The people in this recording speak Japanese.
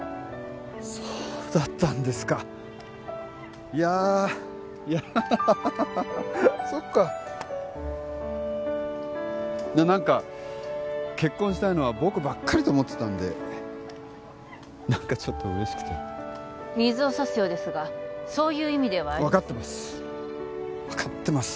そうだったんですかいやあハハハハそっか何か結婚したいのは僕ばっかりと思ってたんで何かちょっと嬉しくて水を差すようですがそういう意味では分かってます分かってます